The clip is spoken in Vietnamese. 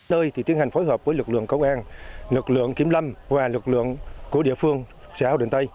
nơi thì tiến hành phối hợp với lực lượng công an lực lượng kiểm lâm và lực lượng của địa phương xã hòa định tây